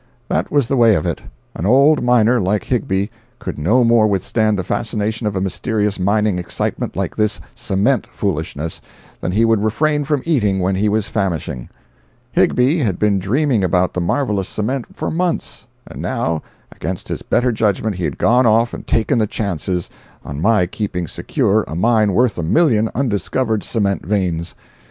That was the way of it. An old miner, like Higbie, could no more withstand the fascination of a mysterious mining excitement like this "cement" foolishness, than he could refrain from eating when he was famishing. Higbie had been dreaming about the marvelous cement for months; and now, against his better judgment, he had gone off and "taken the chances" on my keeping secure a mine worth a million undiscovered cement veins.